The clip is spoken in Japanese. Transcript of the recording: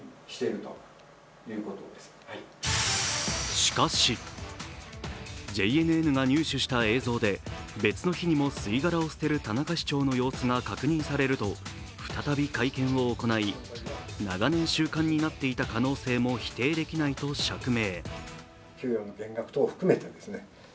しかし、ＪＮＮが入手した映像で、別の日にも吸い殻を捨てる田中市長の様子が確認されると再び会見を行い、長年習慣になっていた可能性も否定できないと釈明。